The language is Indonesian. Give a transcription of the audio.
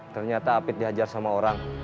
ternyata apit dihajar sama orang